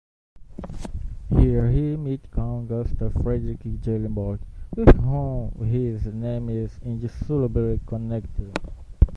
Here he met Count Gustaf Fredrik Gyllenborg, with whom his name is indissolubly connected.